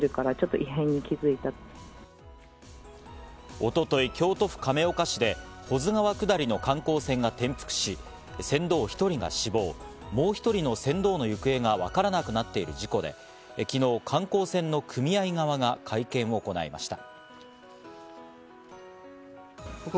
一昨日、京都府亀岡市で保津川下りの観光船が転覆し、船頭１人が死亡、もう１人の船頭の行方がわからなくなっている事故で、昨日、観光船の組合側が会見を行いました。